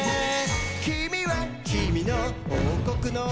「きみはきみのおうこくの」